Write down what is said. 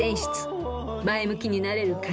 ［「前向きになれる歌詞」］